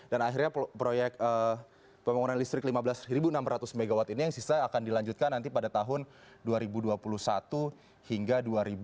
dan akhirnya proyek pembangunan listrik lima belas enam ratus megawatt ini yang sisa akan dilanjutkan nanti pada tahun dua ribu dua puluh satu hingga dua ribu dua puluh enam